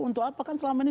untuk apa kan selama ini